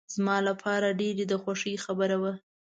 زما لپاره ډېر د خوښۍ خبره وه.